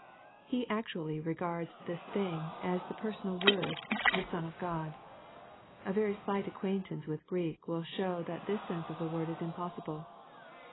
He actually regards " this thing" as the personal Word, the Son of Gk>dl A very slight /^cqijAintance with Greek will show that this sense of the word is imppssibla.